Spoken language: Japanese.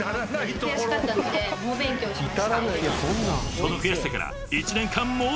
［その悔しさから］